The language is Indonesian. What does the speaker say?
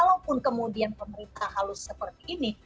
jadi kemudian pemerintah halus seperti ini